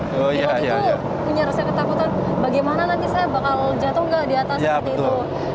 waktu itu punya rasa ketakutan bagaimana nanti saya bakal jatuh nggak di atas seperti itu